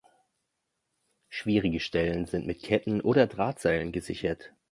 Schwierige Stellen sind mit Ketten oder Drahtseilen gesichert.